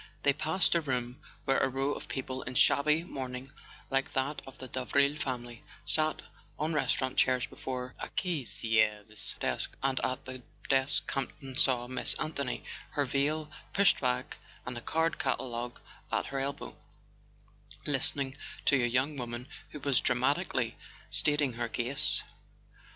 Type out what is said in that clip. They passed a room where a row of people in shabby mourning like that of the Davril family sat on restaurant chairs before a caissiere's desk; and at the desk Campton saw Miss Anthony, her veil pushed back and a card catalogue at her elbow, listening to a young woman who was dramatically stating her case.